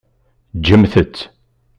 Ǧǧemt-tt.